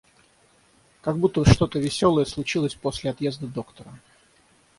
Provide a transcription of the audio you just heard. Как будто что-то веселое случилось после отъезда доктора.